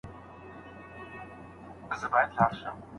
املا او انشا باید شاګرد پخپله سمه کړي.